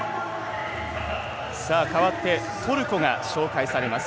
かわってトルコが紹介されます。